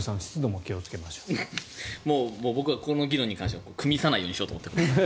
もう僕はこの議論に関してはくみさないようにしようと思って。